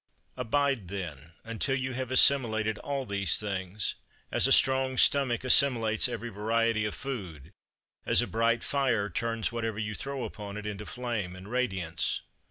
Abide then until you have assimilated all these things, as a strong stomach assimilates every variety of food, as a bright fire turns whatever you throw upon it into flame and radiance.